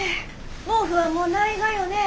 毛布はもうないがよね？